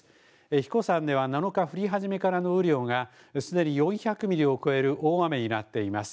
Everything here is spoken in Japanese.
英彦山では７日、降り始めからの雨量がすでに４００ミリを超える大雨になっています。